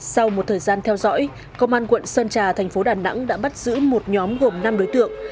sau một thời gian theo dõi công an quận sơn trà thành phố đà nẵng đã bắt giữ một nhóm gồm năm đối tượng